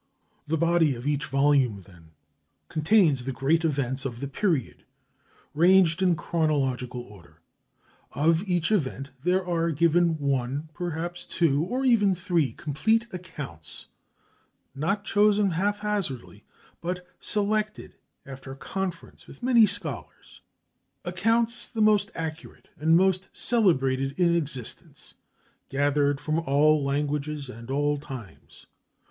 The body of each volume, then, contains the Great Events of the period, ranged in chronological order. Of each event there are given one, perhaps two, or even three complete accounts, not chosen hap hazard, but selected after conference with many scholars, accounts the most accurate and most celebrated in existence, gathered from all languages and all times.